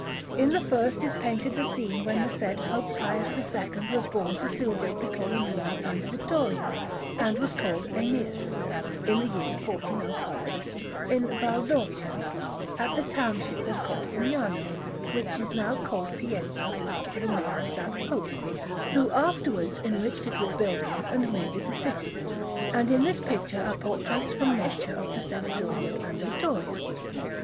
In the first is painted the scene when the said Pope Pius II was born to Silvio Piccolomini and Vittoria, and was called Æneas, in the year 1405, in Valdorcia, at the township of Corsignano, which is now called Pienza after the name of that Pope, who afterwards enriched it with buildings and made it a city; and in this picture are portraits from nature of the said Silvio and Vittoria.